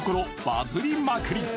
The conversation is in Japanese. バズりまくり